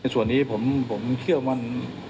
ส่วนนี้ผมเที่ยวว่า